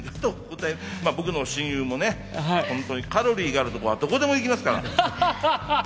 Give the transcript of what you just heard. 僕の親友もカロリーがあるところにはどこにでも行きますから。